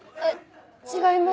違います。